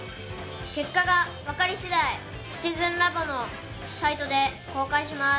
結果が分かり次第シチズンラボのサイトで公開します。